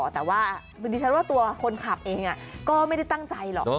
แต่ว่าดิฉันว่าตัวคนขับเองก็ไม่ได้ตั้งใจหรอก